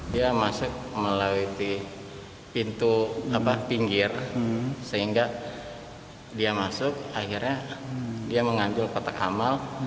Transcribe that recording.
dia masuk melalui pintu pinggir sehingga dia masuk akhirnya dia mengambil kotak amal